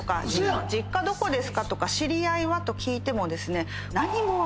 実家どこですか？とか知り合いは？と聞いても何も分からなかった。